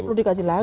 perlu dikaji lagi